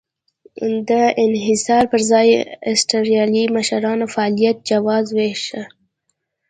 د انحصار پر ځای اسټرالیایي مشرانو فعالیت جواز وېشه.